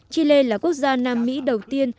chile là quốc gia nam mỹ đầu tiên